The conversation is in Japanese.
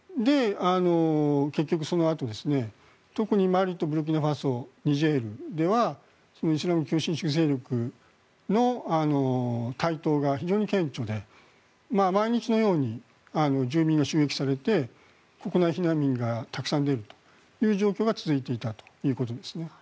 結局そのあと、特にマリとブルキナファソ、ニジェールではイスラム急進主義勢力の台頭が非常に顕著で毎日のように住民が襲撃されて国内避難民がたくさん出るという状況が続いていたということですね。